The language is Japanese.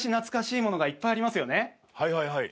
はいはいはい。